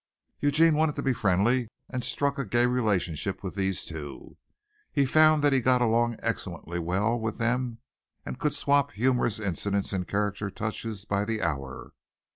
Eugene wanted to be friendly and struck a gay relationship with these two. He found that he got along excellently well with them and could swap humorous incidents and character touches by the hour.